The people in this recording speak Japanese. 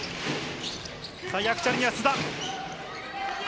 ヤクチャリには須田。